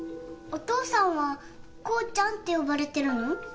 お父さんは功ちゃんって呼ばれてるの？